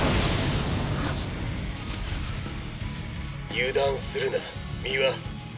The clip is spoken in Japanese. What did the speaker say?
油断するな三輪。